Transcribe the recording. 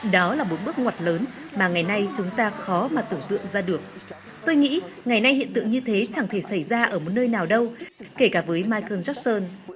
đó là một bước ngoặt lớn mà ngày nay chúng ta khó mà tưởng tượng ra được tôi nghĩ ngày nay hiện tượng như thế chẳng thể xảy ra ở một nơi nào đâu kể cả với michael john